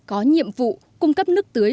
có nhiệm vụ cung cấp nước tưới